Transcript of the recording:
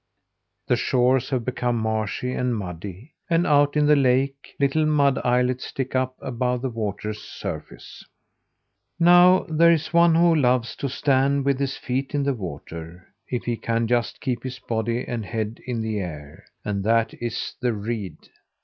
The shores have become marshy and muddy; and out in the lake, little mud islets stick up above the water's surface. Now, there is one who loves to stand with his feet in the water, if he can just keep his body and head in the air, and that is the reed.